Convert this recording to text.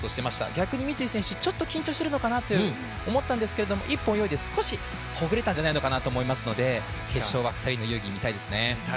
逆に三井選手、ちょっと緊張しているのかなと思ったんですけど、１本泳いで、少しほぐれたんじゃないかと思うので決勝でぜひ２人の泳ぎを見たいですね。